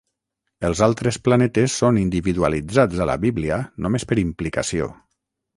Els altres planetes són individualitzats a la Bíblia només per implicació.